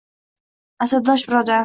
Asrdosh birodar!